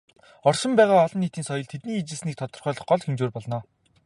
Оршин байгаа "олон нийтийн соёл" тэдний ижилслийг тодорхойлох гол хэмжүүр болно.